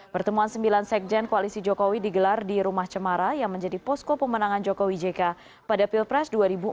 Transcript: pertemuan sembilan sekjen koalisi jokowi digelar di rumah cemara yang menjadi posko pemenangan jokowi jk pada pilpres dua ribu empat belas